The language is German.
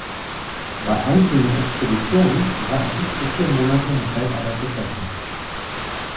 Bei einzelnen Expeditionen war er bis zu vier Monate mit Feldarbeit beschäftigt.